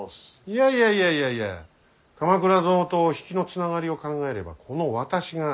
いやいやいやいやいや鎌倉殿と比企の繋がりを考えればこの私が。